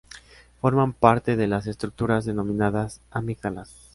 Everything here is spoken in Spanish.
Forman parte de las estructuras denominadas amígdalas.